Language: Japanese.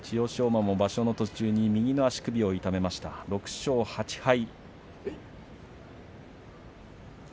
馬も場所の途中に右の足首を痛めました６勝８敗。